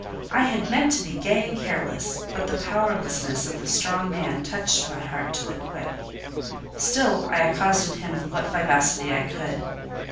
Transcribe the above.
I had meant to be gay and careless, but the powerlessness of the strong man touched my heart to the quick: still I accosted him with what vivacity I could.